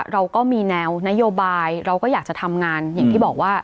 เราก็อยากจะทำงานอย่างที่บอกว่า